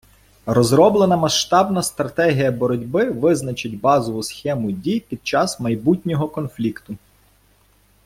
Розроблена масштабна стратегія боротьби визначить базову схему дій під час майбутнього конфлікту.